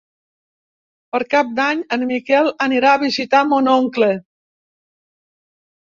Per Cap d'Any en Miquel anirà a visitar mon oncle.